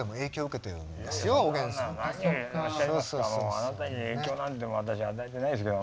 あなたに影響なんて私与えてないですけど。